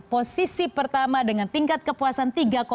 posisi pertama dengan tingkat kepuasan tiga tujuh puluh